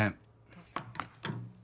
どうぞ。